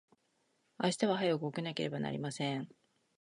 明日は早く起きなければなりません。